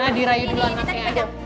nah dirayu dulu anaknya